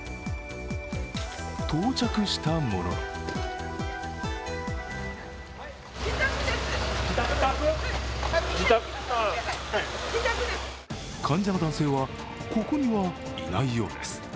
到着したものの患者の男性は、ここにはいないようです。